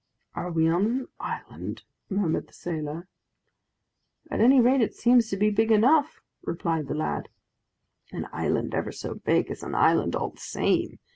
"Are we on an island?" murmured the sailor. "At any rate, it seems to be big enough," replied the lad. "An island, ever so big, is an island all the same!"